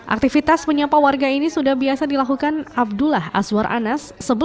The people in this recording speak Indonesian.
aktivitas menyapa warga ini sudah biasa dilakukan abdullah azwar anas